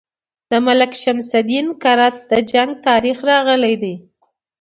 د ملک شمس الدین کرت د جنګ تاریخ راغلی.